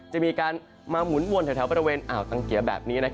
จะมีการมาหมุนวนแถวบริเวณอ่าวตังเกียร์แบบนี้